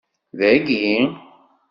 Dagi?